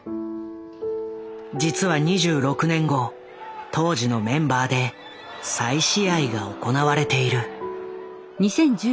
実は２６年後当時のメンバーで再試合が行われている。